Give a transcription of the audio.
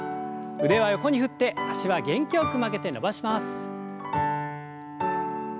腕は横に振って脚は元気よく曲げて伸ばします。